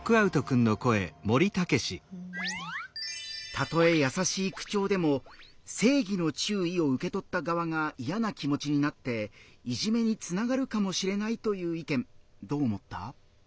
たとえ優しい口調でも「正義の注意」を受け取った側が嫌な気持ちになっていじめにつながるかもしれないという意見どう思った？